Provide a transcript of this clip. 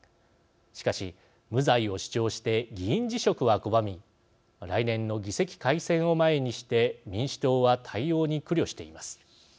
しかし、無罪を主張して議員辞職は拒み来年の議席改選を前にして民主党は対応に苦慮しています。